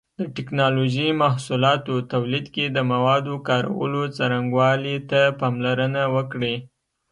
د ټېکنالوجۍ محصولاتو تولید کې د موادو کارولو څرنګوالي ته پاملرنه وکړئ.